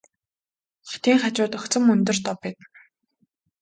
Хотын хажууд огцом өндөр дов байдаг.